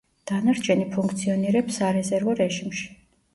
დანარჩენი ფუნქციონირებს სარეზერვო რეჟიმში.